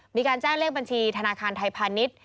มีการแจ้งเลขบัญชีธนาคารไทยพาณิชย์